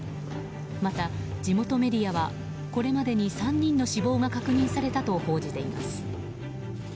また、地元メディアはこれまでに３人の死亡が確認されたと報じています。